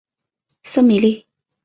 瑟米利。